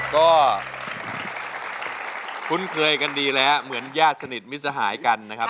ก็คุ้นเคยกันดีแล้วเหมือนญาติสนิทมิตรสหายกันนะครับ